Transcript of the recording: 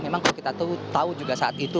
memang kalau kita tahu juga saat itu